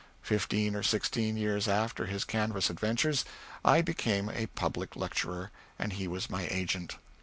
Fifteen or sixteen years after his Kansas adventures I became a public lecturer, and he was my agent.